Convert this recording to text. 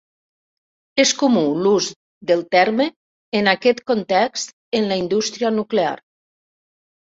És comú l'ús del terme en aquest context en la indústria nuclear.